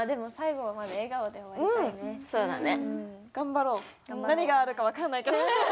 そうだね。